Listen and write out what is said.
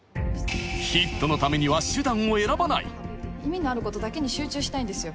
ヒットのためには意味のあることだけに集中したいんですよ。